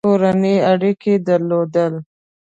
کورني اړیکي درلودل.